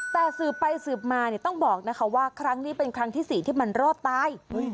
แต่สืบไปสืบมาต้องบอกนะคะว่าครั้งนี้เป็นครั้งที่๔ที่มันรอดตาย